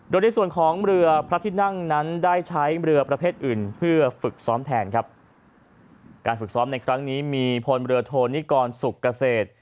โดยในส่วนของเรือพระที่นั่งนั้นได้ใช้เรือประเภทอื่นเพื่อฝึกซ้อมแทนครับการฝึกซ้อมในครั้งนี้มีพลเรือโทนิกรสุกเกษตร